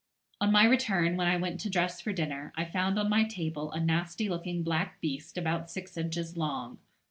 On my return, when I went to dress for dinner, I found on my table a nasty looking black beast about six inches long.